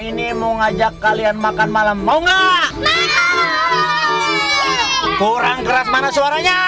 ini mau ngajak kalian makan malam mau enggak kurang keras mana suaranya